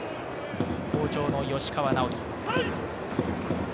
好調の吉川尚輝。